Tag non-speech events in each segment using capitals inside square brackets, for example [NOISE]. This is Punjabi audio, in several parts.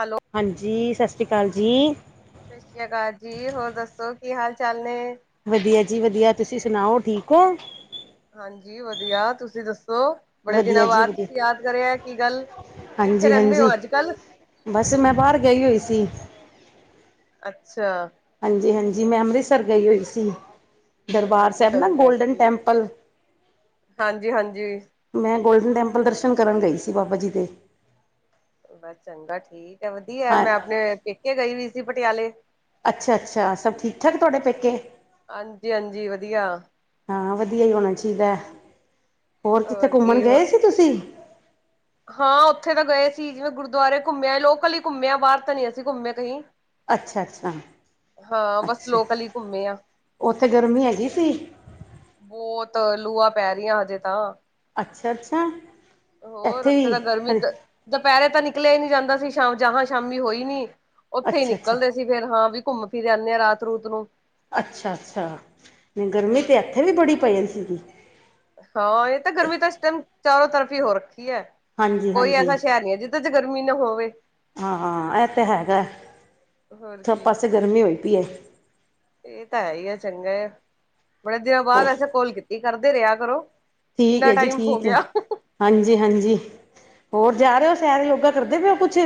ਹੈਲੋ। ਹਾਂਜੀ ਸਤਿ ਸ਼੍ਰੀ ਅਕਾਲ ਜੀ, ਸਤਿ ਸ੍ਰੀ ਅਕਾਲ ਜੀ ਹੋਰ ਦੱਸੋ, ਕੀ ਹਾਲ ਚਾਲ ਨੇ? ਵਧੀਆ ਜੀ ਵਧੀਆ ਤੁਸੀਂ ਸੁਣਾਓ ਠੀਕ ਹੋ? ਹਾਂਜੀ ਵਧੀਆ ਤੁਸੀਂ ਦੱਸੋ? ਬੜੇ ਵਧੀਆ ਦਿਨਾਂ ਬਾਅਦ ਤੁਸੀਂ ਯਾਦ ਕਰਿਆ ਕੀ ਗੱਲ, ਕਿੱਥੇ ਰਹਿੰਦੇ ਹਾਂਜੀ-ਹਾਂਜੀ ਹੋ ਅੱਜ ਕੱਲ? ਬਸ ਮੈਂ ਬਾਹਰ ਗਈ ਹੋਈ ਸੀ। ਅੱਛਾ, ਹਾਂਜੀ-ਹਾਂਜੀ ਮੈਂ ਅੰਮ੍ਰਿਤਸਰ ਗਈ ਹੋਈ ਸੀ। ਅੱਛਾ, ਦਰਬਾਰ ਸਾਹਿਬ ਨਾ ਚੰਗਾ ਗੋਲਡਨ ਠੀਕ ਹੈ। ਟੈਂਪਲ ਹਾਂਜੀ ਹਾਂਜੀ, ਮੈਂ ਗੋਲਡਨ ਟੈਂਪਲ ਦਰਸ਼ਨ ਕਰਨ ਗਈ ਸੀ ਬਾਬਾ ਜੀ ਦੇ। ਬਸ ਚੰਗਾ ਠੀਕ ਹੈ ਵਧੀਆ ਹਾਂ ਮੈਂ ਆਪਣੇ ਪੇਕੇ ਗਈ ਵੀ ਸੀ ਪਟਿਆਲੇ। ਅੱਛਾ-ਅੱਛਾ ਸਭ ਠੀਕ-ਠਾਕ ਤੁਹਾਡੇ ਪੇਕੇ। ਹਾਂਜੀ-ਹਾਂਜੀ ਵਧੀਆ। ਹਾਂ ਵਧੀਆ ਹੀ ਹੋਣਾ ਚਾਹੀਦਾ ਹੋਰ ਕਿੱਥੇ ਘੁੰਮਣ ਗਏ ਸੀ ਤੁਸੀਂ? ਹਾਂ ਉੱਥੇ ਤਾਂ ਗਏ ਸੀ ਜਿਵੇਂ ਗੁਰਦੁਆਰੇ ਘੁੰਮਿਆ ਲੋਕਲ ਹੀ ਘੁੰਮਿਆ ਬਾਹਰ ਤਾਂ ਨੀ ਅਸੀਂ ਘੁੰਮਿਆ ਕਹੀ। ਅੱਛਾ-ਅੱਛਾ। ਬਸ ਅੱਛਾ, ਲੋਕਲ ਹੀ ਘੁੰਮੇ ਆ, ਉਥੇ ਗਰਮੀ ਹੈਗੀ ਸੀ? ਬਹੁਤ ਲੂਆ ਪੈ ਰਹੀਆਂ ਹਜੇ ਤਾਂ। ਅੱਛਾ-ਅੱਛਾ। ਹੋਰ ਉੱਥੇ ਤਾਂ ਗਰਮੀ ਦੁਪਹਿਰੇ ਤਾਂ ਨਿਕਲਿਆ ਹੀ ਨਹੀ ਜਾਂਦਾ ਸੀ ਸ਼ਾਮ ਜਹਾਂ ਸ਼ਾਮੀ ਹੋਈ ਨੀ। ਉੱਥੇ ਹੀ ਅੱਛਾ ਅੱਛਾ ਨਿਕਲਦੇ ਸੀ ਫੇਰ ਹਾਂ ਵੀ ਘੁੰਮ ਫਿਰ ਆਨੇ ਆ ਰਾਤ ਰੂਤ ਨੂੰ। ਅੱਛਾ-ਅੱਛਾ ਨਹੀਂ ਗਰਮੀ ਹੋਰ ਤਾਂ ਇੱਥੇ ਕੀ ਵੀ ਬੜੀ ਪਏ ਸੀਗੀ। ਹਾਂ ਇਹ ਤਾਂ ਗਰਮੀ ਤਾਂ ਇਸ ਟਾਈਮ ਚਾਰੋ ਤਰਫ ਹੀ ਹੋ ਰੱਖੀ। ਕੋਈ ਹਾਂਜੀ-ਹਾਂਜੀ ਐਸਾ ਸ਼ਹਿਰ ਨੀ ਹੈ ਜਿਹਦੇ ਚ ਗਰਮੀ ਨਾ ਹੋਵੇ। ਹਾਂ ਇਹ ਤੇ ਹੋਰ ਹੈਗਾ ਕੀ ਪਾਸੇ ਗਰਮੀ ਹੋਈ ਪਈ ਐ ਇਹ ਤਾਂ ਹੈ ਹੀ ਆ ਚੰਗਾ ਬੜੇ ਦਿਨਾਂ ਹੋ ਬਾਅਦ ਐਸੇ ਕੋਲ ਕੀਤੀ ਕਰਦੇ ਰਿਹਾ ਕਰੋ। ਠੀਕ ਇੰਨਾ ਹੈ ਜੀ ਟਾਈਮ ਹੋ ਠੀਕ ਹੈ ਗਿਆ ਹਾਂਜੀ-ਹਾਂਜੀ ਹੋਰ। ਜਾ ਰਹੇ ਹੋ ਸੈਰ ਯੋਗਾ ਕਰਦੇ ਪਏਓ ਕੁੱਛ?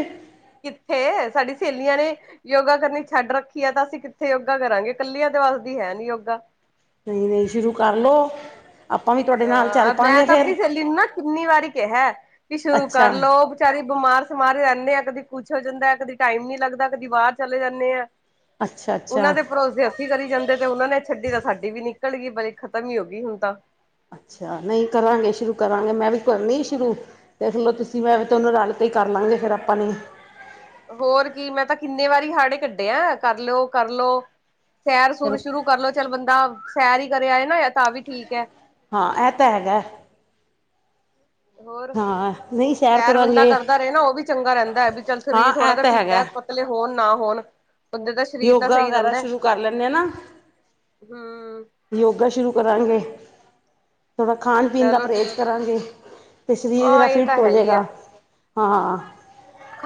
ਕਿੱਥੇ ਸਾਡੀ ਸਹੇਲੀਆਂ ਨੇ ਯੋਗਾ ਕਰਨੀ ਛੱਡ ਰੱਖੀ ਹੈ ਤਾਂ ਅਸੀਂ ਕਿੱਥੇ ਯੋਗਾ ਕਰਾਂਗੇ ਕੱਲੀਆਂ। ਵਸਦੀ ਹੈ ਨੀ ਯੋਗਾ। ਨਹੀਂ-ਨਹੀਂ ਸ਼ੁਰੂ ਕਰਲੋ। ਅਹ ਮੈਂ ਤਾਂ ਆਪਣੀ ਸਹੇਲੀ ਨੂੰ ਨਾ ਕਿੰਨੀ ਵਾਰੀ। ਕਿਹਾ ਕਿ ਸ਼ੁਰੂ ਅੱਛਾ ਕਰ ਲਓ ਵਿਚਾਰੀ ਬਿਮਾਰ ਸਿਮਾਰ ਰਹਿੰਦੇ ਆ ਕਦੀ। ਕੁੱਛ ਹੋ ਜਾਂਦਾ ਕਦੀ ਟਾਈਮ ਨੀ ਲੱਗਦਾ, ਕਦੀ ਬਾਹਰ ਚਲੇ ਜਾਂਨੇ ਆ। ਅੱਛਾ-ਅੱਛਾ ਉਹਨਾਂ ਅੱਛਾ ਦੇ ਭਰੋਸੇ ਅਸੀ ਕਰੀ ਜਾਂਦੇ ਤੇ, ਉਹਨਾਂ ਨੇ ਛੱਡੀ ਤਾਂ, ਸਾਡੀ ਵੀ ਨੀ। ਨਿਕਲ ਗਈ ਬੜੀ ਖ਼ਤਮ ਹੀ ਹੋਗੀ ਹੁਣ ਤਾ। ਅੱਛਾ, ਨਹੀਂ ਕਰਾਂਗੇ ਸ਼ੁਰੂ ਕਰਾਂਗੇ ''ਮੈਂ ਵੀ ਕਰਨੀ ਸ਼ੁਰੂ ਦੇਖਲੋ, ਤੁਸੀਂ ਮੈਂ ਵੀ ਤੁਹਾਨੂੰ ਰਲਕੇ ਕਰ ਲਾਂਗੇ ਫੇਰ ਆਪਾਂ ਨੇ। ਹੋਰ ਕੀ, 'ਮੈਂ ਤਾਂ ਕਿੰਨੇ ਵਾਰੀ ਹਾੜੇ ਕੱਢੇਆ ਕਰਲੋ-ਕਰਲਓ। ਸੈਰ-ਸੁਰ ਚਲੋ ਸ਼ੁਰੂ ਕਰਲੋ, ਚੱਲ ਬੰਦਾ ਸੈਰ ਹੀ ਕਰ ਆਏ ਨਾ, ਤਾ, ਵੀ ਠੀਕ ਹੈ। ਹਾਂ। ਐ, ਤਾ ਹੈਗਾ। ਹੋਰ ਹਾਂ। ਨਹੀਂ ਸੈਰ ਬੰਦਾ ਕਰਾਂਗੇ ਕਰਦਾ ਰਹੇ ਨਾ, ਉਹ ਵੀ ਚੰਗਾ ਰਹਿੰਦਾ ਐ, ਵੀ, ਚੱਲ ਹਾਂ ਸਰੀਰ ਥੋੜ੍ਹਾ ਇਹ ਜਿਹਾ ਤਾਂ ਫਿੱਟ ਹੈ, ਹੈਗਾ ਪਤਲੇ ਹੋਣ ਨਾ ਹੋਣ ਬੰਦੇ ਦਾ ਸਰੀਰ ਤਾਂ ਯੋਗਾ ਸਹੀ ਵਗੈਰਾ ਰਹਿੰਦਾ ਸ਼ੁਰੂ ਕਰ ਲੈਂਨੇ ਆ ਨਾ। ਹਮ ਯੋਗਾ ਸ਼ੁਰੂ ਕਰਾਂਗੇ। ਥੋੜ੍ਹਾ ਖਾਣ-ਪੀਣ ਦਾ ਚਲੋ ਪਰਹੇਜ਼ ਠੀਕ ਕਰਾਂਗੇ ਤੇ, ਸ਼ਰੀਰ ਹਾਂ ਜਰਾ ਇਹ ਤਾਂ ਫਿਟ ਹੋ ਹੈ ਹੀ ਹੈ ਜੇਗਾ। ਹਾਂ।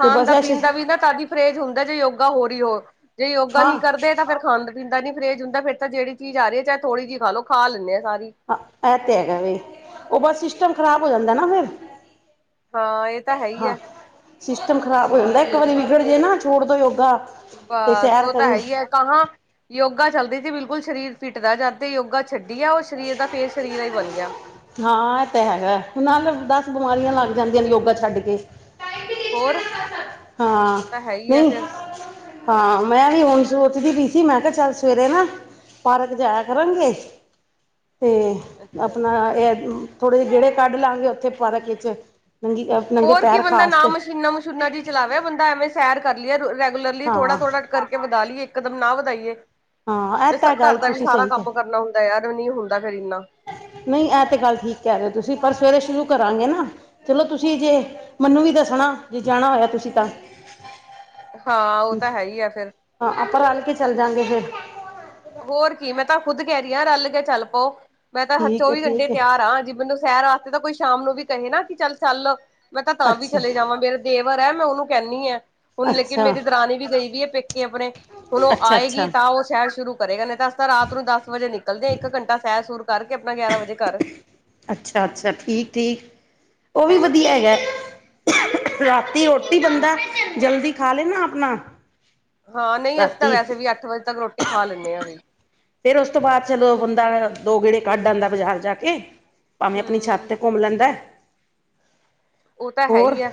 ਤੇ ਬਸ ਦਾ, ਐਸੇ ਪੀਣ ਦਾਵੀ ਨਾ ਤਦੀ ਪਰਹੇਜ਼ ਹੁੰਦਾ ਜੇ ਯੋਗਾ ਹੋ ਰਹੀ ਹੋ। ਜੇ ਯੋਗਾ ਹਾਂ ਨਹੀ ਕਰਦੇ ਤਾਂ ਫੇਰ ਖਾਣ ਦਾ ਇਦਾ ਨੀ ਪਰਹੇਜ ਹੁੰਦਾ ਫਿਰ ਤਾਂ, ਜਿਹੜੀ ਚੀਜ਼ ਆ ਰਹੀ ਥੋੜੀ ਜਿਹੀ ਖਾਲੋ ਖਾ ਲੈਂਨੇ ਹਾ ਸਾਰੇ। ਹੰ, ਐ, ਤੇ ਹੈਗਾ ਵੇ, ਉਹ ਬਸ ਸਿਸਟਮ ਖ਼ਰਾਬ ਹੋ ਜਾਂਦਾ ਨਾ ਫਿਰ। ਹਾਂ ਇਹ ਤਾਂ ਹੈ ਹੀ ਹਾਂ, ਹੈ ਸਿਸਟਮ ਖਰਾਬ ਹੋ ਜਾਂਦਾ ਇੱਕ ਵਾਰੀ ਵਿਗੜ ਜੇ ਨਾ, ਛੋੜ ਦੋ ਯੋਗਾ ਤੇ ਬਸ ਸੈਰ ਉਹ ਤਾਂ, ਕਰਨ ਹੈਹੀ ਹੈ, ਕਾਂਹਾ ਯੋਗਾ ਚੱਲਦੀ ਸੀ, ਬਿਲਕੁਲ। ਸਰੀਰ ਫਿਟ ਰਹਿ ਜਾ, ਤੇ, ਯੋਗਾ ਛੱਡ ਹਾਂ, ਐ, ਤੇ ਹੈਗਾ ਨਾਲ ਦੱਸ ਬਿਮਾਰੀਆਂ ਲੱਗ ਜਾਂਦੀਆਂ ਨੇ, ਯੋਗਾ ਛੱਡ ਕੇ। ਹੋਰ? ਹਾਂ, ਉਹ ਤਾਂ ਹੈ ਹੀ ਆ ਨਹੀਂ, ਫੇਰ ਹਾਂ ''ਮੈਂ ਵੀ ਹੁਣ ਸੋਚਦੀ ਪਈ ਸੀ, ਮੈਂ ਕਿਹਾ ਚੱਲ ਸਵੇਰੇ ਨਾ ਪਾਰਕ ਜਾਇਆ ਕਰਾਂਗੇ ਤੇ, ਅੱਛਾ ਆਪਨਾ ਇਹ ਥੋੜੇ ਜਹੇ ਗੇੜੇ ਚਲ ਲਾਂਗੇ ਉੱਥੇ ਪਤਾ ਕਿ ਨੰਗੀ ਨੰਗੇ ਪੈਰ ਘਾਸ ਤੇ ਚਲਾਵਿਆ ਬੰਦਾ ਐਵੇਂ, ਸੈਰ ਕਰ ਲਈਏ ਰੈਗੂਲਰਲੀ ਹਾਂ ਥੋੜਾ-ਥੋੜਾ ਕਰਕੇ ਵਧਾ ਲਈਏ, ਇੱਕਦਮ ਨਾ ਵਧਾਈਏ ਹਾਂ ਇਹ ਤੇ ਤਾਂ ਗੱਲ ਘਰ ਦਾ ਵੀ ਤੁਸੀਂ ਸਾਰਾ ਸਹੀ ਕਹਿ ਕੰਮ ਕਰਨਾ ਹੁੰਦਾ ਯਾਰ ਨਹੀਂ ਹੁੰਦਾ ਫੇਰ ਇੰਨਾ ਨਹੀਂ ਐ ਤੇ, ਗੱਲ ਠੀਕ ਕਹਿ ਰਹੇ ਓ ਤੁਸੀ, ਪਰ ਸਵੇਰੇ ਸ਼ੁਰੂ ਕਰਾਂਗੇ ਨਾ ਚਲੋ ਤੁਸੀਂ ਜੇ ਮੰਨੂ ਵੀ ਦੱਸਣਾ ਜੇ ਜਾਣਾ ਹੋਇਆ ਤੁਸੀਂ ਤਾਂ ਹਾਂ ਉਹ ਤਾਂ ਹੈ ਹੀ ਆ ਫੇਰ ਹਾਂ, ਆਪਾਂ ਰੱਲਕੇ ਚੱਲ ਜਾਂਗੇ ਫੇਰ। ਹੋਰ ਕੀ, ''ਮੈਂ ਤਾਂ ਖੁੱਦ ਕਹਿ ਰਹੀ ਹਾਂ ਰਲਕੇ ਚੱਲ ਪੋ ''ਮੈਂ ਤਾਂ ਹਰ ਠੀਕ ਹੈ ਚੌਵੀ-ਘੰਟੇ ਠੀਕ ਹੈ ਤਿਆਰ ਹਾਂ, ਜੇ, ਮੈਨੂੰ ਸੈਰ ਵਾਸਤੇ ਤਾਂ, ਕੋਈ ਸ਼ਾਮ ਨੂੰ ਵੀ ਕਹੇ ਨਾ ਕਿ, ਚੱਲ-ਚੱਲ ''ਮੈਂ ਤਾਂ, ਤਾਂ ਵੀ ਅੱਛਾ ਚਲੇ ਜਾਵਾਂ ਮੇਰਾ ਦੇਵਰ ਹੈ, ਮੈਂ ਉਹਨੂੰ ਕਹਿੰਦੀ ਹ ਹੁਣ ਲੇਕਿਨ ਅੱਛਾ ਮੇਰੀ ਦਰਾਣੀ ਵੀ ਗਈ ਵੀ ਹੈ ਪੇਕੇ ਆਪਣੇ ਕੋਲੋਂ ਅੱਛਾ ਆਏਗੀ ਅੱਛਾ ਤਾਂ ਉਹ ਸੈਰ ਸ਼ੁਰੂ ਕਰੇਗਾ ਨੇ ਤਾਂ ਅਸੀ ਤਾਂ, ਰਾਤ ਨੂੰ ਦੱਸ ਵਜੇ ਨਿਕਲਦੇ ਆ, ਇੱਕ ਘੰਟਾ ਸੈਰ- ਸੁਰ ਕਰਕੇ ਆਪਣਾ ਗਿਆਰਾਂ ਵਜੇ ਘਰ। ਅੱਛਾ-ਅੱਛਾ, ਠੀਕ-ਠੀਕ ਉਹ ਵੀ ਹੋਰ ਵਧੀਆ ਹੈਗਾ। ਰਾਤੀ ਰੋਟੀ ਹੋਰ ਕੀ ਬੰਦਾ ਜਲਦੀ ਖਾ ਲੇਨਾ ਆਪਨਾ ਹਾਂ, ਨਹੀਂ ਅਸੀਂ ਤਾਂ ਵੈਸੇ ਵੀ ਅੱਠ-ਵਜੇ ਤੱਕ ਰੋਟੀ ਖਾ ਲੈਂਨੇ ਆ, ਵੀ। ਫੇਰ, ਉਸ ਤੋਂ ਬਾਅਦ ਚਲੋ ਬੰਦਾ ਦੋ ਗੇੜੇ ਕੱਢ ਆਉਂਦਾ ਬਾਜ਼ਾਰ ਜਾਕੇ ਭਾਵੇਂ ਆਪਣੀ ਛੱਤ ਹਮ ਤੇ ਘੁੰਮ ਲੈਂਦਾ ਉਹ ਤਾਂ ਹੈ ਹੋਰ, ਹੀ ਹੈ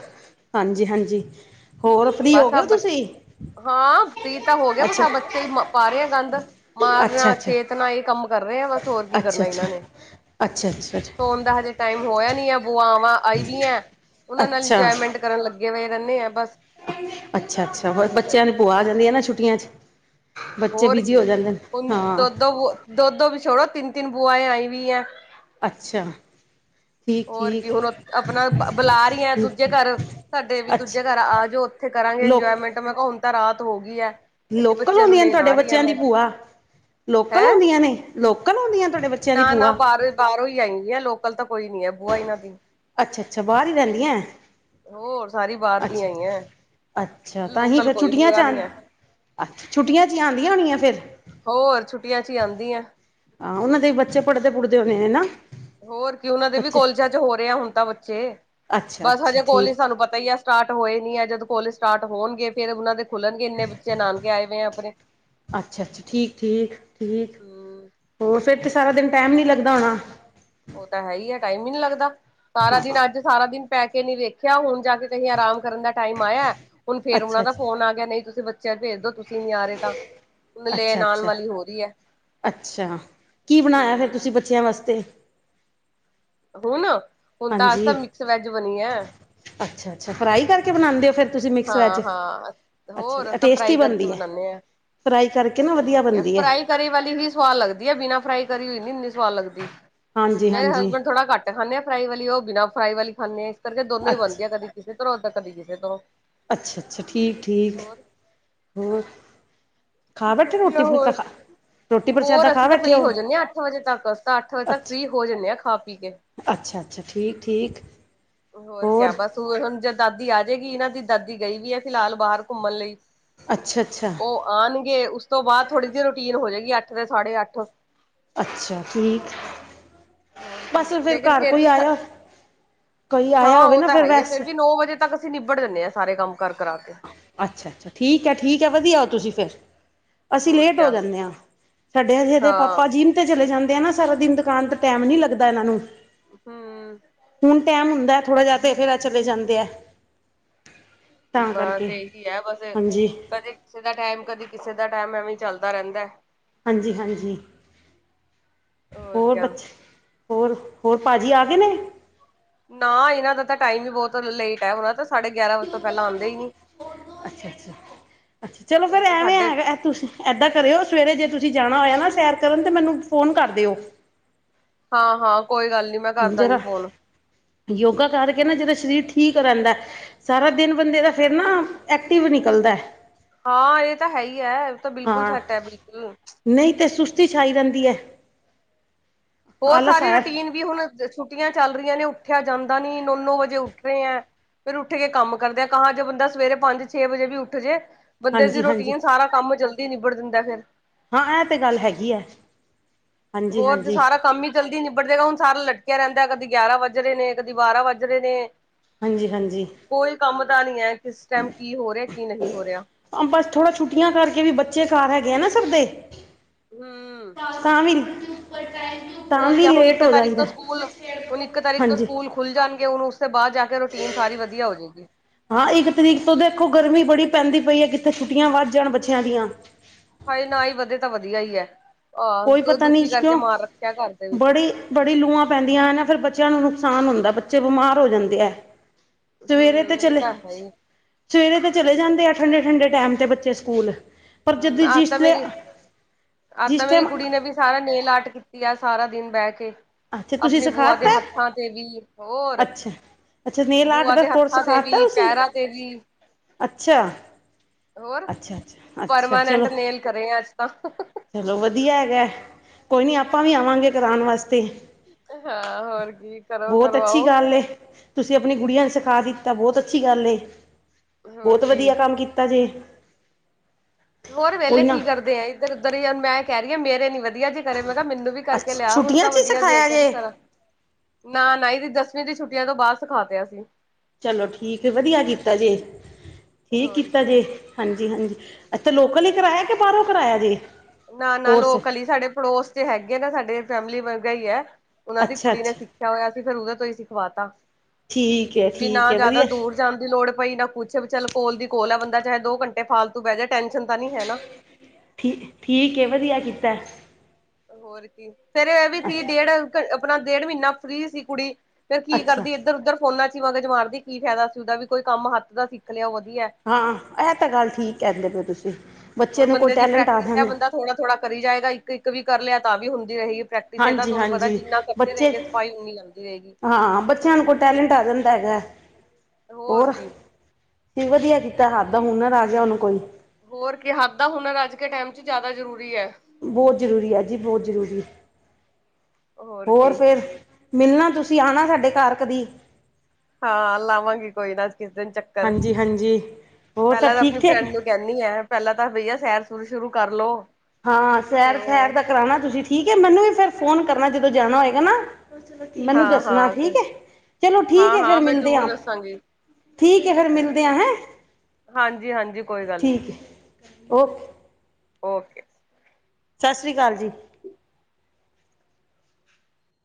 ਹਾਂਜੀ-ਹਾਂਜੀ। ਬਸ ਆਪ ਬ ਹਾਂ, ਫ੍ਰੀ ਤਾਂ, ਹੋ ਗਿਆ ਬਸ, ਅੱਛਾ ਆਪ ਬੱਚੇ ਹੀ ਪਾ ਰਹੇ ਆ ਗੰਦ ਅੱਛਾ ਮਾਰਨਾ, ਅੱਛਾ ਛੇਤਨਾ, ਇਹ ਕੰਮ ਕਰ ਰਹੇ ਆ ਬਸ ਹੋਰ ਕੀ ਅੱਛਾ ਕਰਨਾ ਇਹਨਾਂ ਨੇ ਅੱਛਾ ਅੱਛਾ ਸੋਣ ਦਾ ਹਜੇ ਟਾਈਮ ਹੋਇਆ ਨੀਆ ਬੋ ਵਾਂ ਆਈ ਵੀ ਹੈ, ਅੱਛਾ ਉਹਨਾਂ ਨਾਲ ਅੱਛਾ ਇੰਜੋਏਮੈਂਟ ਕਰਨ ਲੱਗੇ ਹੋਏ ਰਹਿੰਦੇ ਆ ਬਸ ਅੱਛਾ- ਅੱਛਾ ਹੋਰ ਬੱਚਿਆਂ ਦੀ ਭੂਆ ਆ ਜਾਂਦੀ ਹੈ ਨਾ ਛੁੱਟੀਆਂ'ਚ? ਹੋਰ ਕੀ, ਹੁਣ ਦੋ-ਦੋ ਵੀ ਛੋੜੋ, ਤਿੰਨ -ਤਿੰਨ ਬੁਆਏਂ ਆਈ ਵੀਂ ਆ ਅੱਛਾ। ਠੀਕ ਹੋਰ ਕੀ ਠੀਕ ਹੁਣ ਆਪਣਾ ਬੁਲਾ ਰਹੀ ਆ ਦੂਜੇ ਘਰ ਸਾਡੇ ਵੀ ਅੱਛਾ ਦੂਜੇ ਘਰ ਆ ਜਾਓ ਉੱਥੇ ਕਰਾਂਗੇ ਲੋਕ ਇੰਜੋਏਮੈਂਟ ਮੈਂ ਕਿਹਾ ਹੁਨ ਤਾਂ ਰਾਤ ਹੋ ਗਈ ਐ। ਲੋਕਲ ਹੁੰਦੀਆਂ ਨੇ ਤੁਹਾਡੇ ਬੱਚਿਆਂ ਦੀ ਭੂਆ? ਲੋਕਲ ਹੈਂ ਹੁੰਦੀਆਂ ਨੇ, ਲੋਕਲ ਹੁੰਦੀਆਂ ਨੇ ਤੁਹਾਡੇ ਬੱਚਿਆਂ ਦੀ ਨਾ ਨਾ ਭੂਆ? ਬਾਹਰ ਬਾਹਰੋਂ ਹੀ ਆਈ ਹੈ ਲੋਕਲ ਤਾਂ ਕੋਈ ਨੀ ਹੈ ਬੂਆ ਇਹਨਾਂ ਦੀ। ਅੱਛਾ-ਅੱਛਾ ਬਾਹਰ ਹੀ ਰਹਿੰਦੀਆਂ ਹੋਰ ਸਾਰੀ ਬਾਹਰ ਦੀ ਅੱਛਾ ਆਈ ਹੈ ਅ ਅੱਛਾ ਤਾਂਹੀਂ ਲੋਕਲ ਫਿਰ ਕੋਈ ਛੁੱਟੀਆਂ ਚ ਬੂਆ ਨੀ ਆਨ, ਹੈ ਅੱਛਾ ਛੁੱਟੀਆਂ ਚ ਆਂਦੀਆਂ ਹੋਣੀਆਂ ਫਿਰ ਹੋਰ ਛੁੱਟੀਆਂ ਚ ਹੀ ਆਂਦੀ ਐ। ਹਾਂ ਉਹਨਾਂ ਦੇ ਵੀ ਬੱਚੇ ਪੜ੍ਹਦੇ ਪੂੜਦੇ ਹੋਨੇ, ਹੈਨਾ? ਹੋਰ ਕੀ ਉਹਨਾਂ ਦੇ ਵੀ ਕੋਲਜਾਂ ਚ ਹੋ ਰੇ ਆ ਹੁਨ ਤਾਂ ਬੱਚੇ। ਅੱਛਾ ਬਸ ਅੱਛਾ ਹਜੇ ਠੀਕ ਕੋਲਜ਼ ਸਾਨੂੰ ਪਤਾ ਹੀ ਆ ਸਟਾਰਟ ਹੋਏ ਨੀ ਐ, ਜਦੋਂ ਕੋਲਜ਼ ਸਟਾਰਟ ਹੋਨਗੇ ਫੇਰ ਉਹਨਾਂ ਦੇ ਖੁੱਲਨਗੇ ਇੰਨੇ ਬੱਚੇ ਨਾਨਕੇ ਆਏ ਨੇ ਆਪਨੇ। ਅੱਛਾ-ਅੱਛਾ, ਠੀਕ-ਠੀਕ, ਠੀਕ ਹਮ ਹੋਰ ਫਿਰ ਤੇ ਸਾਰਾ ਦਿਨ ਟਾਈਮ ਨੀ ਲੱਗਦਾ ਹੋਨਾ। ਨੀ ਲੱਗਦਾ, ਸਾਰਾ ਹਾਂ ਹਾਂ ਦਿਨ ਅੱਜ ਸਾਰਾ ਦਿਨ ਪੈ ਕੇ ਨੀ ਵੇਖਿਆ ਹੁਨ ਜਾ [UNINTELLIGIBLE] ਆਰਾਮ ਕਰਨ ਦਾ ਟਾਈਮ ਆਇਆ, ਹੁਨ ਫੇਰ ਉਹਨਾਂ ਅੱਛਾ ਦਾ ਅੱਛਾ ਫੋਨ ਆ ਗਿਆ ਨਹੀਂ ਤੁਸੀਂ ਬੱਚਿਆਂ ਭੇਜ ਦੋ ਤੁਸ ਨਹੀਂ ਆ ਰਹੇ ਤਾਂ ਉਹਨੂੰ ਅੱਛਾ ਲੈਨ ਆਨ ਅੱਛਾ ਵਾਲੀ ਹੋ ਰਹੀ ਹੈ, ਅੱਛਾ ਕੀ ਬਣਾਇਆ ਫਿਰ ਹੂੰ। ਤੁਸੀਂ ਬੱਚਿਆਂ ਵਾਸਤੇ ਹੁਨ, ਹੁਨ ਤਾਂ ਅਜ ਤਾਂ ਹਾਂਜੀ ਮਿਕਸ ਵੈਜ ਬਨੀ ਹੈ। ਅੱਛਾ ਅੱਛਾ ਫਰਾਈ ਕਰਕੇ ਬਣਾਉਂਦੇ ਹੋ ਫਿਰ ਤੁਸੀਂ ਮਿਕਸ ਵੈਜ ਹਾਂ-ਹਾਂ, ਹੋਰ ਅੱਛਾ ਤਾਂ ਟੇਸਟੀ ਫਰਾਈ ਕਰਕੇ ਬਣਦੀ ਹੈ ਬਨਾਨੇ ਆਂ। ਫਰਾਈ ਕਰਕੇ ਨਾ ਹੋਰ ਵਧੀਆ ਕਿਆ, ਬਣਦੀ ਹੈ ਫਰਾਈ ਕਰੀ ਵਾਲੀ ਹੀ ਸਵਾਦ ਲੱਗਦੀ ਐ ਬਿਨਾਂ ਫਰਾਈ ਕਰੀ ਹੋਈ ਨੀ ਇੰਨੀ ਸਵਾਦ ਲੱਗਦੀ, ਹਾਂਜੀ ਮੇਰੇ ਹਾਂਜੀ ਹਸਬੈਂਡ ਥੋੜਾ ਘੱਟ ਖਾਂਦੇ ਆ ਫਰਾਈ ਵਾਲੀ ਉਹ ਬਿਨਾਂ ਫਰਾਈ ਵਾਲੀ ਖਾਨੇ ਹਾਂ ਇਸ ਕਰਕੇ ਦੋਨੋ ਹੀ ਬਨਦੀ ਆ, ਕਦੀ ਕਿਸੇ ਤਰੋਂ ਕਦੀ ਕਿਸੇ ਤਰੋਂ। ਅੱਛਾ-ਅੱਛਾ, ਠੀਕ-ਠੀਕ ਹੋਰ? ਖਾ ਬੈਠੇ ਰੋਟੀ ਵਧੀਆ ਫੁਲਕਾ ਹੋਰ ਖਾ ਰੋਟੀ ਪ੍ਰਸ਼ਾਦਾ ਹੋਰ ਖਾ ਅਸੀਂ ਤਾਂ ਬੈਠੇ ਫ੍ਰਰੀ ਹੋ ਜਾਨੇ ਹਾਂ ਅੱਠ ਵਜੇ ਤੱਕ, ਅਸੀਂ ਤਾਂ ਅੱਠ ਵਜੇ ਤੱਕ ਅੱਛਾ ਫ੍ਰਰੀ ਹੋ ਜਾਂਦੇ ਹਾਂ ਖਾ ਪੀ ਕੇ। ਅੱਛਾ- ਅੱਛਾ, ਠੀਕ-ਠੀਕ। ਹੋਰ ਕਿਆ ਬਸ ਹੁਨ ਜੇ ਦਾਦੀ ਆ ਜਾਏਗੀ, ਇਹਨਾਂ ਦੀ ਦਾਦੀ ਗਈ ਵੀ ਹੈ ਫਿਲਹਾਲ ਬਾਹਰ ਘੁੰਮਣ ਲਈ। ਅੱਛਾ-ਅੱਛਾ। ਉਹ ਆਉਣਗੇ ਉਸ ਤੋਂ ਬਾਅਦ ਥੋੜੀ ਜਿਹੀ ਰੂਟੀਨ ਹੋ ਜਾਏਗੀ ਅੱਠ ਦੇ ਸਾਢੇ ਅੱਠ। ਅੱਛਾ, ਠੀਕ। ਹੋਰ ਕੀ ਬਸ ਫੇਰ ਲੇਕਿਨ ਘਰ ਕੋਈ ਵੀ ਆਇਆ, ਕੋਈ ਆਇਆ ਹਾਂ ਹੋਵੇ ਉਹ ਨਾ ਤਾਂ ਫਿਰ ਹੈ ਹੀ ਆ ਵੈਸੇ ਫੇਰ ਵੀ ਨੌ ਵਜੇ ਤੱਕ ਅਸੀਂ ਨਿਬੜ ਦੇਨੇ ਆਂ ਸਾਰੇ ਕੰਮ। ਕਾਰ ਕਰਾ ਕੇ ਅੱਛਾ-ਅੱਛਾ ਠੀਕ ਐ। ਅਸੀਂ ਹੋਰ ਲੇਟ ਹੋ ਕਿਆ ਜਾਨੇ ਆ, ਸਾਡੇ ਹਜੇ ਇਹਦੇ ਹਾਂ ਪਾਪਾ ਜਿੰਮ ਤੇ ਚਲੇ ਜਾਨ ਤੇ ਨਾ ਸਾਰਾ ਦਿਨ ਦੁਕਾਨ ਤੇ ਟਾਈਮ ਨੀ ਲੱਗਦਾ ਇਹਨਾਂ ਨੂੰ ਹਮ ਹੁਨ ਟਾਈਮ ਹੁੰਦਾ ਐ। ਥੋੜਾ ਜਿਹਾ ਤੇ ਫੇਰ ਐ ਚਲੇ ਜਾਂਦੇ ਐ। ਬਸ ਇਹੀ ਐ ਬਸ, ਕਦੇ ਕਿਸੇ ਦਾ ਟਾਈਮ, ਕਦੇ ਕਿਸੇ ਦਾ ਦਾ ਟਾਈਮ ਐਵੇਂ ਚਲਦਾ ਰਹਿੰਦਾ। ਹਾਂਜੀ-ਹਾਂਜੀ, ਹੋਰ ਬੱਚੇ ਹੋਰ? ਹੋਰ ਭਾਜੀ ਆ ਗਏ ਨੇ? ਨਾ ਇਹਨਾਂ ਦਾ ਤਾਂ ਟਾਈਮ ਵੀ ਬਹੁਤ ਲੇਟ ਹੈ, ਉਹਨਾਂ ਤਾਂ ਸਾਢੇ ਗਿਆਰਾਂ ਵਜੇ ਤੋਂ ਪਹਿਲਾਂ ਆਂਦੇ ਹੀ ਨੀ। ਅੱਛਾ-ਅੱਛਾ, ਅੱਛਾ ਚਲੋ ਫਿਰ ਇਹ ਤਾਂ ਐਵੇਂ ਸਾਡੇ ਹੈਂਗਾ ਐ ਤੁਸੀਂ ਇਦਾਂ ਕਰਿਓ ਸਵੇਰੇ ਜੇ ਤੁਸੀਂ ਤੁਸੀਂ ਜਾਣਾ ਹੋਇਆ ਨਾ ਸੈਰ ਕਰਨ ਤੇ ਮੈਨੂੰ ਫੋਨ ਕਰ ਦਿਓ। ਹਾਂ-ਹਾਂ, ਕੋਈ ਗੱਲ ਨਹੀਂ ਮੈਂ ਕਰ ਦਾਂਗੀ ਜਰਾ ਫੋਨ। ਯੋਗਾ ਕਰਕੇ ਨਾ ਜਿਹੜਾ ਸਰੀਰ ਠੀਕ ਰਹਿੰਦਾ, ਸਾਰਾ ਦਿਨ ਬੰਦੇ ਦਾ ਫਿਰ ਨਾ ਐਕਟਿਵ ਨਿਕਲਦਾ ਐ। ਹਾਂ ਇਹ ਤਾਂ ਹੈ ਹੀ ਹੈ ਇਹ ਤਾਂ ਬਿਲਕੁਲ ਹਾਂ, ਸੈੱਟ ਹੈ ਬਿਲਕੁਲ ਨਹੀਂ ਤੇ ਸੁਸਤੀ ਛਾਈ ਰਹਿੰਦੀ ਐ। ਹੋਰ ਸਾਰੀ ਆਇਆ ਰੂਟੀਨ ਵੀ ਹੁਨ ਛੁ ਛੁੱਟੀਆਂ ਚੱਲ ਰਹੀਆਂ ਨੇ ਉਠਿਆ ਜਾਂਦਾ ਨੀ ਨੋ ਨੋ ਵਜੇ ਉੱਠ ਰਹੇ ਹੈਂ। ਫਿਰ ਉੱਠ ਕੇ ਕੰਮ ਕਰਦੇ ਆ ਹਾਂ ਜੈ ਬੰਦਾ ਸਵੇਰੇ ਪੰਜ ਛੇ ਵਜੇ ਵੀ ਉੱਠ ਜੇ ਬੰਦੇ ਦੀ ਹਾਂਜੀ ਹਾਂਜੀ ਰੂਟੀਨ ਸਾਰਾ ਕੰਮ ਜਲਦੀ ਨਿਬੜ ਜੰਦਾ ਫਿਰ। ਹਾਂ, ਇਹ ਤੇ ਗੱਲ ਹੈਗੀ ਹੈ। ਹਾਂਜੀ ਹੋਰ ਜੇ ਹਾਂਜੀ ਸਾਰਾ ਕੰਮ ਹੀ ਜਲਦੀ ਨਿਬੜ ਜਾਏਗਾ ਹੁਣ ਸਾਰਾ ਲ ਪਇਆ ਰਹਿੰਦਾ ਕਦੀ ਗਿਆਰਾਂ ਵੱਜ ਰੇ ਨੇ ਕਦੀ ਬਾਰਾਂ ਵੱਜ ਰੇ ਨੇ। ਹਾਂਜੀ-ਹਾਂਜੀ ਕੋਈ ਕੰਮ ਤਾਂ ਨਹੀਂ ਹੈ ਕਿਸ ਟਾਈਮ ਕੀ ਹੋ ਰਿਹਾ ਕੀ ਨਹੀਂ ਹੋ ਰਿਹਾ। ਬ ਥੋੜਾ ਛੁੱਟੀਆਂ ਕਰਕੇ ਵੀ ਬੱਚੇ ਘਰ ਹੈਗੇ ਆ ਨਾ ਸਬਦੇ। ਹੂ ਤਾਂ ਹੋਰ ਵੀ ਕਿਆ ਹੁਣ ਲੇਟ ਇੱਕ ਹੋ ਤਾਰੀਕ ਜਾਈਦਾ ਤੋਂ ਸਕੂਲ ਹੁਣ ਇੱਕ ਤਾਰੀਕ ਤੋਂ ਹਾਂਜੀ ਸਕੂਲ ਖੁੱਲ ਜਾਣਗੇ ਹੁ ਹਾਂ। ਇੱਕ ਤਰੀਕ ਤੋਂ ਦੇਖੋ ਗਰਮੀ ਬੜੀ ਪੈਂਦੀ ਪਈ ਏ ਕਿੱਥੇ ਛੁੱਟੀਆਂ ਵੱਧ ਜਾਣ ਬੱਚਿਆਂ ਦੀਆਂ ਹਾਏ ਨਾ ਹੀ ਵਧੇ ਤਾਂ ਵਧੀਆ ਈ ਐ। ਕੋਈ ਪਤਾ ਨੀ ਇਸ ਕੂ, ਦੇ ਵਿੱਚ। ਬੜੀ-ਬੜੀ ਲੂਆਂ ਪੈਂਦੀਆਂ ਨੇ ਨਾ ਫੇਰ ਬੱਚਿਆਂ ਨੂੰ ਨੁਕਸਾਨ ਹੁੰਦਾ ਬੱਚੇ ਬਿਮਾਰ ਹੋ ਜਾਂਦੇ ਐ। ਸਵੇਰੇ ਤੇ ਹੂੰ ਇਹ ਚਲੇ ਤਾਂ ਹੈ ਹੀ। ਸਵੇਰੇ ਤੇ ਚਲੇ ਜਾਂਦੇ ਆ ਠੰਡੇ ਠੰਡੇ ਟਾਈਮ ਤੇ ਬੱਚੇ ਸਕੂਲ ਪਰ ਹੂੰ ਜਦ ਅੱਜ ਤਾਂ ਜਿਸ ਨੇ ਮੇਰੀ ਅੱਜ ਜਿਸ ਤਾਂ ਮੇਰੀ ਟਾਈਮ ਕੁੜੀ ਨੇ ਵੀ ਸਾਰਾ ਨੈਲ ਆਰਤ ਕੀਤੀ ਆ ਸਾਰਾ ਦਿਨ ਬਹਿ ਕੇ। ਅੱਛਾ ਤੁਸੀਂ ਆਪਣੀ ਸਿਖਾ ਬੂਆ ਦੇ ਤਾ ਹੱਥਾਂ ਤੇ ਵੀ ਹੋਰ ਅੱਛਾ ਅੱਛਾ ਨੇਲ ਆਰਟ ਬੂਆ ਦਾ ਦੇ ਕੋਰਸ ਹੱਥਾਂ ਤੇ ਸਿਖਾ ਵੀ ਤਾ ਤੁਸੀਂ ਪੈਰਾਂ ਤੇ ਵੀ ਅੱਛਾ। ਹੋਰ ਅੱਛਾ, ਅੱਛਾ, ਅੱਛਾ ਪਰਮਾਨੈਂਟ ਚਲੋ ਨੇਲ ਕਰੇ ਆ ਅੱਜ ਤਾਂ ਚਲੋ ਵਧੀਆ ਹੈਗਾ, ਕੋਈ ਨਹੀਂ ਆਪਾਂ ਵੀ ਆਵਾਂਗੇ ਕਰਾਨ ਵਾਸਤੇ ਹਾਂ ਤੇ ਹੋਰ ਕੀ ਕਰੋ ਬਹੁਤ ਅੱਛੀ ਕਰਵਾਓ ਗੱਲ ਏ, ਤੁਸੀਂ ਆਪਣੀ ਗੁੜੀਆਂ ਨੂੰ ਸਖ ਸਖਾ ਦਿੱਤਾ ਬਹੁਤ ਅੱਛੀ ਗੱਲ ਏ ਹੋਰ ਬਹੁਤ ਕੀ ਵਧੀਆ ਕੰਮ ਕੀਤਾ ਜੇ। ਤੇ ਹੋਰ ਵਿਹਲੇ ਕੋਈ ਨਾ ਕੀ ਕਰਦੇ ਆ ਇੱਧਰ ਉੱਧਰ ਹੀ ਮੈਂ ਕਹਿ ਰਹੀ ਹਾਂ ਮੇਰੇ ਨੀ ਵ ਵਧੀਆ ਜੇ ਕਰੇ ਮੈਂ ਕਿਹਾ ਮੈਨੂੰ ਵੀ ਕਰਕੇ ਅੱਛਾ ਲਿਆ ਹੁਣ ਛੁੱਟੀਆਂ ਤਾਂ ਚ ਹੀ ਵਧੀਆ ਜੇ ਸਿਖਾਇਆ ਕੀ ਕਰਾਂ ਨਾ, ਨਾ ਇਹਦੀ ਦਸਵੀਂ ਦੀ ਛੁੱਟੀਆਂ ਤੋਂ ਬਾਹਰ ਸਿਖਾ ਤਿਆ ਸੀ। ਚਲੋ ਠੀਕ ਵਧੀਆ। ਕੀਤਾ ਜੇ ਠੀਕ, ਹੋਰ ਕੀਤਾ ਕੀ ਜੇ ਹਾਂਜੀ, ਹਾਂਜੀ। ਅੱਛਾ ਲੋਕਲ ਹੀ ਕਰਵਾਇਆ ਕਿ ਬਾਹਰੋਂ ਕਰਾਇਆ ਜੇ। ਨਾ, ਨਾ ਕੋਰਸ ਲੋਕ ਹਲੀ ਸਾਡੇ ਪੜੋਸ ਤੇ ਹੈਗੇ ਨਾ। ਸਾਡੇ ਫੈਮਿਲੀ ਵਰਗਾ ਹੀ ਐ। ਉਹਨਾਂ ਦੀ ਅੱਛਾ ਕੁੜੀ ਨੇ ਅੱਛਾ। ਸਿੱਖਿਆ ਹੋਇਆ ਸੀ ਫਿਰ ਉਹਦੇ ਤੋਂ ਹੀ ਸਿਖਵਾ ਤਾ ਠੀਕ ਹੈ ਵੀ ਠੀਕ ਨਾ ਹੈ ਜਿਆਦਾ ਵਧੀਆ ਦੂਰ ਜਾਣ ਦੀ ਲੋੜ ਪਈ ਨਾ ਕੁੱਛ ਵੀ ਚੱਲ ਕੋਲ ਦੀ ਕੋਲ ਆ ਬੰਦਾ ਚਾਹੇ ਦੋ ਘੰਟੇ ਫਾਲਤੂ ਪੈ ਜਾਏ ਟੈਨਸ਼ਨ ਤਾਂ ਨਹੀਂ ਹੈ ਨਾ ਠੀ ਠੀਕ ਵਧੀਆ ਕੀਤਾ ਹੋਰ ਕੀ ਫੇਰ ਇਹ ਵੀ ਸੀ ਡੇਢ ਆਪਣਾ ਡੇਢ ਮਹੀਨਾ ਫ੍ਰਰੀ ਸੀ ਕੁੜੀ ਫੇਰ ਕੀ ਅੱਛਾ। ਕਰਦੀ ਇੱਧਰ-ਉੱਧਰ ਫੋਨਾ ਚ ਹੀ ਮਗਜ ਮਾਰਦੀ, ਕੀ ਫਾਇਦਾ ਸੀ ਉਹਦਾ ਵੀ ਕੋਈ ਕੰਮ ਹੱਥ ਦਾ ਸਿੱਖ ਲਿਆ ਵਧੀਆ ਹਾਂ। ਇਹ ਤਾਂ ਗੱਲ ਠੀਕ ਕਰ ਦੇ ਪੈ ਤੁਸੀਂ ਬੱਚੇ ਹੁਣ ਨੂੰ ਕੋਈ ਬੰਦੇ ਦੀ ਟੈਲੈਂਟ ਆ ਪ੍ਰੈਕਟਿਸ ਹੈ। ਜਾਂਦਾ ਬੰਦਾ ਥੋੜਾ ਥੋੜਾ ਕਰੀਏਗਾ ਇੱਕ, ਇੱਕ ਵੀ ਕਰ ਲਿਆ ਤਾਂ ਵੀ ਹੁੰਦੀ ਰਹੀ। ਪ੍ਰੈਕਟਿਸ ਹੈ। ਤਾਂ ਹਾਂਜੀ ਤੁਹਾਨੂੰ ਪਤਾ ਹਾਂਜੀ ਜਿੰਨਾ ਕਰਦੇ ਬੱਚੇ ਰਹੇਣਗੇ ਸਫਾਈ ਓਨੀ ਆਉਂਦੀ ਰਹੇਗੀ। ਹਾਂ ਬੱਚਿਆਂ ਨੂੰ ਕੋਈ ਟੈਲੈਂਟ ਆ ਜਾਂਦਾ ਹੈਗਾ ਹੋਰ ਕੀ। ਕੀ ਵਧੀਆ ਕੀਤਾ ਹੱਥ ਦਾ ਹੁਨਰ ਆ ਗਿਆ ਉਹਨੂੰ ਕੋਈ ਹੋਰ ਕੀ ਹੱਥ ਦਾ ਹੁਨਰ ਅੱਜ ਕੇ ਟਾਈਮ ਜ਼ਿਆਦਾ ਜ਼ਰੂਰੀ ਐ। ਬਹੁਤ ਜ਼ਰੂਰੀ ਅ ਜੀ ਬਹੁਤ ਜ਼ਰੂਰੀ ਹੋਰ ਫੇਰ, ਮਿਲਣਾ ਤੁਸੀਂ ਆਣਾ ਸਾਡੇ ਘਰ ਕਦੀ ਹਾਂ ਲਾਵਾਂਗੀ। ਕੋਈ ਨਾ ਅੱਜ ਕਿਸ ਦਿਨ ਚੱਕਰ ਹਾਂਜੀ ਹਾਂਜੀ ਹੋਰ ਸਭ ਪਹਿਲਾਂ ਤਾਂ ਆਪਣੀ ਠੀਕ ਠਾਕ ਫਰੈਂਡ ਨੂੰ ਕਹਿੰਦੀ ਆ, ਪਹਿਲਾਂ ਤਾਂ ਬਈਆ ਸੈਰ-ਸੁਰ ਸ਼ੁਰੂ ਕਰ ਲੋੋ। ਹਾਂ ਸੈਰ, ਸੈਰ ਦਾ ਕਰਾਉਣਾ ਤੁਸੀਂ ਠੀਕ ਹੈ ਮੈਨੂੰ ਵੀ ਫਿਰ ਫੋਨ ਕਰਨਾ ਜਦੋਂ ਜਾਣਾ ਹੋਏਗਾ ਨਾ ਮੈਨੂੰ ਹਾਂ ਦੱਸਣਾ ਹਾਂ, ਠੀਕ ਹੈ। ਚਲੋ ਠੀਕ ਹਾਂ ਹੈ, ਫਿਰ ਹਾਂ ਮੈਂ ਮਿਲਦੇ ਜ਼ਰੂਰ ਆ ਦੱਸਾਂਗੀ। ਠੀਕ ਹੈ। ਫੇਰ ਮਿਲਦੇ ਆ ਹੈਂ। ਹਾਂਜੀ, ਹਾਂਜੀ। ਕੋਈ ਗੱਲ ਨੀ। ਓਕ ਓਕੇ ਸਤਿ ਸ਼੍ਰੀ ਅਕਾਲ ਜੀ।